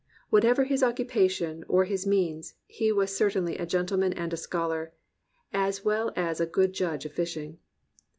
Whatever his occupation or his means, he was certainly a gentle man and a scholar, as well as a good judge of fishing.